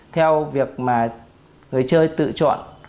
theo việc mà người chơi tự chọn